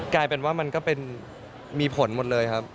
กลายเป็นว่ามันก็เป็นมีผลหมดเลยครับ